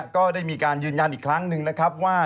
ก็ได้มีการยืนยันอีกครั้งหนึ่งนะครับว่า